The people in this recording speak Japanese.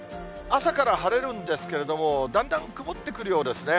朝から晴れるんですけれども、だんだん曇ってくるようですね。